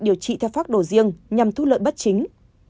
điều trị theo pháp đồ riêng nhằm thu lợi bất chính